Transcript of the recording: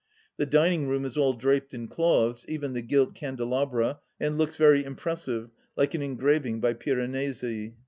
The dining room is all draped in cloths, even the gilt candelabra, and looks very impressive, like an engraving by Piranesi.